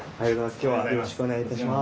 今日はよろしくお願いいたします。